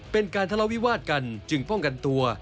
เป็นการทะเลาวิวาสกันจึงป้องกันตัว